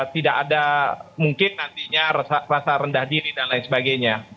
tidak ada mungkin nantinya rasa rendah diri dan lain sebagainya